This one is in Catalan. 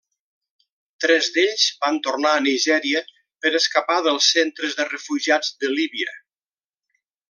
Tres d'ells van tornar a Nigèria per escapar dels centres de refugiats de Líbia.